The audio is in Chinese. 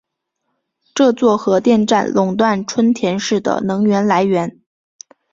这座核电站垄断春田市的能源来源。